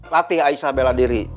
latih aisyah bela diri